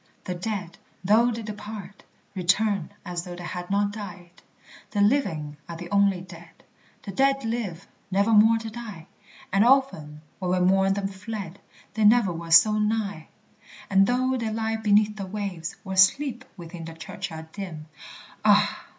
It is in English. The dead, though they depart, return As though they had not died! The living are the only dead; The dead live, nevermore to die; And often, when we mourn them fled, They never were so nigh! And though they lie beneath the waves, Or sleep within the churchyard dim, (Ah!